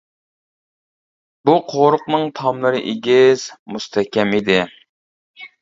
بۇ قورۇقنىڭ تاملىرى ئېگىز، مۇستەھكەم ئىدى.